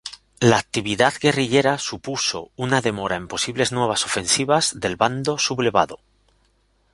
La actividad guerrillera supuso una demora en posibles nuevas ofensivas del Bando sublevado.